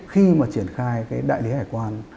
khi mà triển khai đại lý hải quan